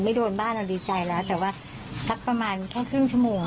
ไม่โดนบ้านตัวดีใจแล้วแต่ว่าซักประมาณแค่ครึ่งชมูก